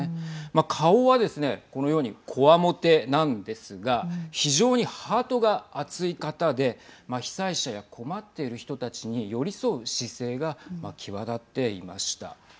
顔はこのようにこわもてなんですが非常にハートが熱い方で被災者や困っている人たちに寄り添う姿勢が際立っていました。